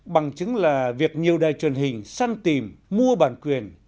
bằng chứng là việc nhiều đài truyền hình săn tìm mua bản quyền